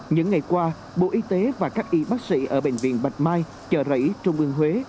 những ngày qua bộ y tế và các y bác sĩ ở bệnh viện bạch mai chợ rẫy trung ương huế